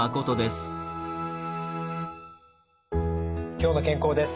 「きょうの健康」です。